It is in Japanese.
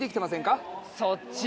そっち？